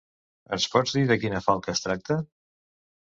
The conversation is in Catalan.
Ens pots dir de quina falca es tracta?